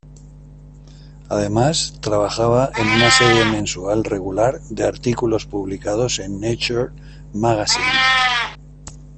Además trabajaba en una serie mensual regular de artículos publicados en Nature Magazine.